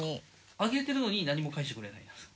あげてるのに何も返してくれないんですか？